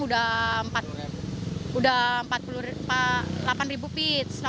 udah empat puluh delapan ribu pitch